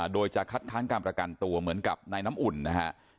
โดยจะคัดค้างการประกันตัวเหมือนกับนายน้ำอุ่นนะฮะ